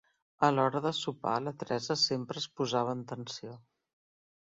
A l'hora de sopar la Teresa sempre es posava en tensió.